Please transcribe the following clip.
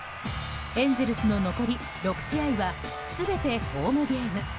エンゼルスの残り６試合は全てホームゲーム。